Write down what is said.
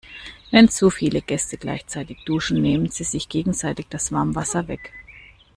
Wenn zu viele Gäste gleichzeitig duschen, nehmen sie sich gegenseitig das Warmwasser weg.